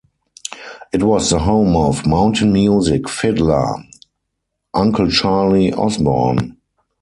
It was the home of mountain music fiddler Uncle Charlie Osborne.